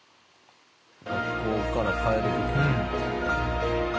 学校から帰る時？